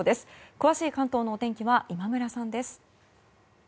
詳しい関東のお天気は今村さんです。